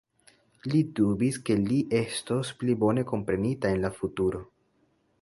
Li dubis, ke li estos pli bone komprenita en la futuro.